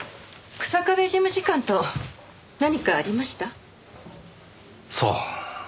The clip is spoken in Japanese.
日下部事務次官と何かありました？さあ？